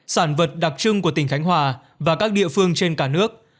sản vật đặc trưng của tỉnh khánh hòa và các địa phương trên cả nước